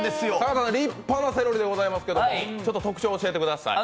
立派なセロリでございますけど特徴、教えてください。